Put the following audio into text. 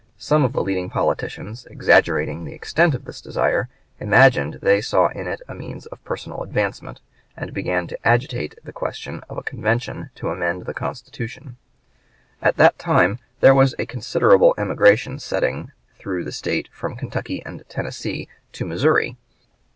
Some of the leading politicians, exaggerating the extent of this desire, imagined they saw in it a means of personal advancement, and began to agitate the question of a convention to amend the Constitution. At that time there was a considerable emigration setting through the State from Kentucky and Tennessee to Missouri.